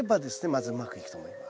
まずうまくいくと思います。